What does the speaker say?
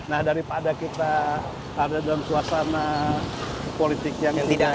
nah daripada kita ada dalam suasana politik yang tidak